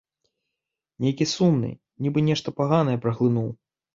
Нейкі сумны, нібы нешта паганае праглынуў.